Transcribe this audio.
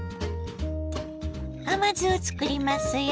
甘酢を作りますよ。